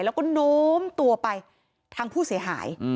แล้วก็โน้มตัวไปทางผู้เสียหาย